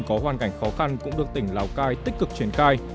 có hoàn cảnh khó khăn cũng được tỉnh lào cai tích cực triển khai